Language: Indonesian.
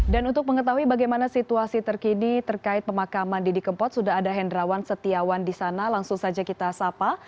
dan untuk mengetahui bagaimana situasi terkini terkait pemakaman didi kempot sudah ada hendrawan setiawan di sana langsung saja kita sapa